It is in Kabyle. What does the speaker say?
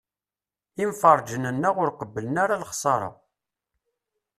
Imferrǧen-nneɣ ur qebblen ara lexṣara.